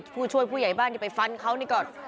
ผู้ช่วยผู้ใหญ่บ้านที่ไปฟันเขานี่ก่อน